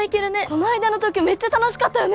この間の東京めっちゃ楽しかったよね。